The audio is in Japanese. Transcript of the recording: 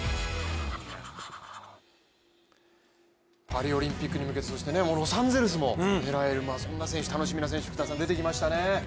パリオリンピックに向けロサンゼルスも狙えるそんな楽しみな選手出てきましたね。